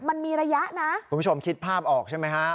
มันมีระยะนะคุณผู้ชมคิดภาพออกใช่ไหมฮะ